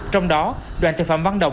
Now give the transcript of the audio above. trong đó đoạn thực phẩm văn động